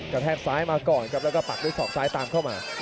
แทกซ้ายมาก่อนครับแล้วก็ปักด้วยศอกซ้ายตามเข้ามา